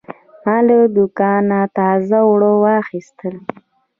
ما له دوکانه تازه اوړه واخیستل.